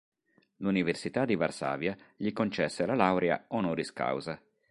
L'Università di Varsavia gli concesse la laurea "honoris causa".